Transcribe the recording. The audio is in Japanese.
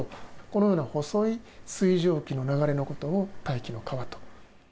このような細い水蒸気の流れのことを、大気の川と。